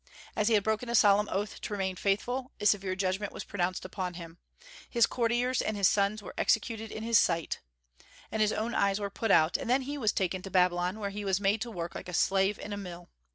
As he had broken a solemn oath to remain faithful, a severe judgment was pronounced upon him. His courtiers and his sons were executed in his sight, his own eyes were put out, and then he was taken to Babylon, where he was made to work like a slave in a mill.